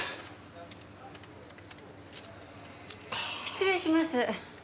失礼します。